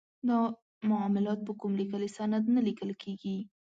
دا معاملات په کوم لیکلي سند نه لیکل کیږي.